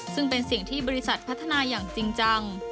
ซึ่งเป็นสิ่งที่บริษัทพัฒนาอย่างจริงจัง